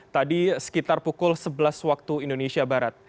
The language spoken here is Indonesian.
tadi sekitar pukul sebelas waktu indonesia barat